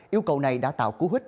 yêu cầu này đã tạo cú hít